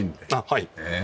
はい。